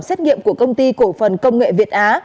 xét nghiệm của công ty cổ phần công nghệ việt á